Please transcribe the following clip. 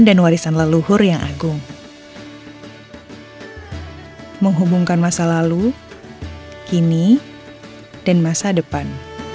dan warisan leluhur yang agung menghubungkan masa lalu kini dan masa depan